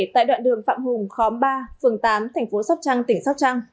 tại đoạn đường phạm hùng khóm ba phường tám thành phố sóc trăng tỉnh sóc trăng